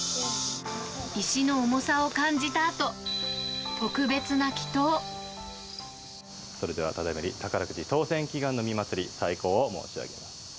石の重さを感じたあと、それではただいまより、宝くじ当せん祈願のみまつり斎行を申し上げます。